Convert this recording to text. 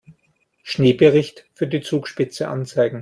Schneebericht für die Zugspitze anzeigen.